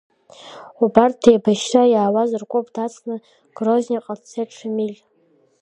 Убарҭ еибашьра иаауаз ргәыԥ дацны Грозниҟа дцеит Шамиль.